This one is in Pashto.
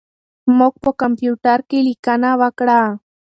موږ په کمپیوټر کې لیکنه وکړه.